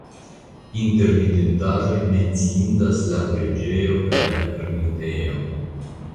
Inter vidindaĵoj menciindas la preĝejo kaj la ermitejo.